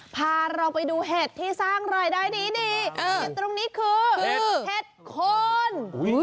พาเราไปดูเหตุที่สร้างรายได้ดีนี่คือเหตุโคน